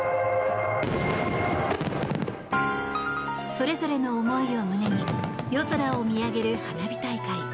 それぞれの思いを胸に夜空を見上げる花火大会。